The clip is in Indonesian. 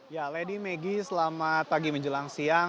ya lady maggie selamat pagi menjelang siang